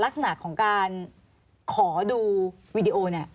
ลักษณะของการขอดูวีดีโอเนี่ย